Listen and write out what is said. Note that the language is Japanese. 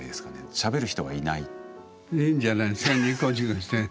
しゃべる人がいない。